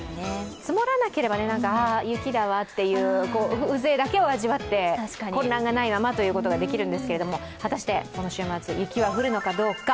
積もらなければ、ああ雪だわという風情だけを味わって混乱がないままということができるんですが果たしてこの週末雪は降るのかどうか。